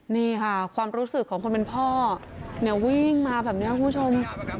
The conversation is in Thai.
นี่ค่ะความรู้สึกของคนเป็นพ่อเนี่ยวิ่งมาแบบนี้คุณผู้ชม